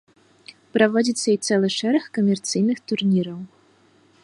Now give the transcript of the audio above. Праводзіцца і цэлы шэраг камерцыйных турніраў.